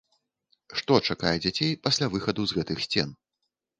Што чакае дзяцей пасля выхаду з гэтых сцен?